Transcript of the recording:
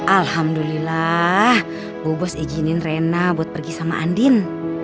alhamdulillah bu bos ijinin rena buat pergi sama andin